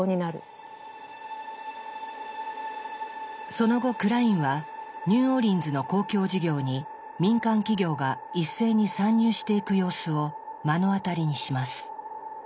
その後クラインはニューオーリンズの公共事業に民間企業が一斉に参入していく様子を目の当たりにします。